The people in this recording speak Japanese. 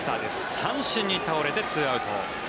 三振に倒れて２アウト。